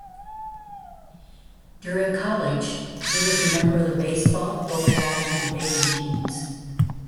During college, he was a member of the baseball, football, and debating teams.